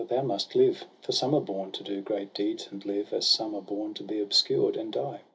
thou must live. For some are born to do great deeds, and live, As some are born to be obscured, and die.